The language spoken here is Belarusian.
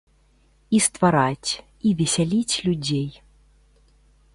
І ствараць, і весяліць людзей.